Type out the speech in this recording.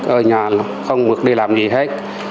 ở nhà không được đi làm gì hết